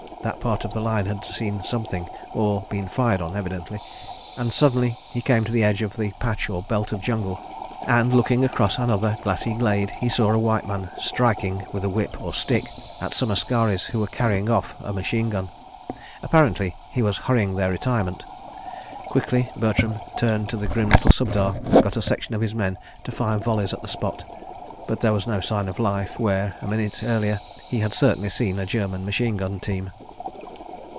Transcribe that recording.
That part of the line had seen something—or been fired on, evidently—and suddenly he came to the edge of the patch or belt of jungle and, looking across another glassy glade, he saw a white man striking, with a whip or stick, at some askaris who were carrying off a machine gun. Apparently he was hurrying their retirement. Quickly Bertram turned to the grim little Subedar and got a section of his men to fire volleys at the spot, but there was no sign of life where, a minute earlier, he had certainly seen a German machine gun team.